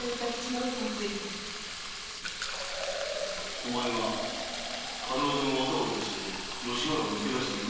お前が軽業の業を生かして吉原を抜け出しているのはわかる。